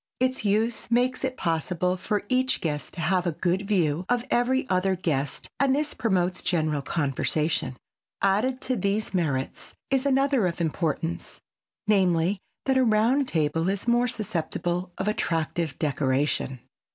Its use makes it possible for each guest to have a good view of every other guest and this promotes general conversation. Added to these merits is another of importance, namely, that a round table is more susceptible of attractive decoration.